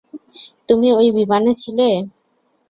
তুমি ওই বিমানে ছিলে?